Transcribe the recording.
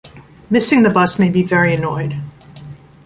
Missing the bus made me very annoyed.